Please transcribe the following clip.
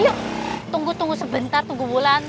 yuk tunggu tunggu sebentar tunggu bulan